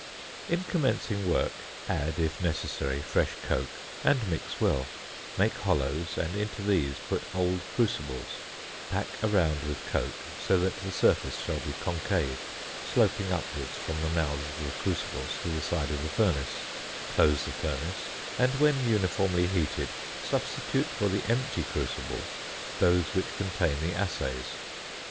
In commencing work, add (if necessary) fresh coke, and mix well; make hollows, and into these put old crucibles; pack around with coke, so that the surface shall be concave, sloping upwards from the mouths of the crucibles to the sides of the furnace; close the furnace, and, when uniformly heated, substitute for the empty crucibles those which contain the assays.